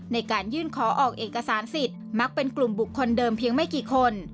ในการยื่นขอออกเอกสารสิทธิ์มักเป็นกลุ่มบุคคลเดิมเพียงไม่กี่คน